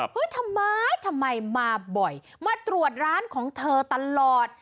ทำไมทำไมมาบ่อยมาตรวจร้านของเธอตลอด